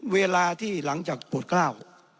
เวลาที่หลังจากโปรดกล้า